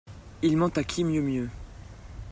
Ils mentent à qui mieux mieux.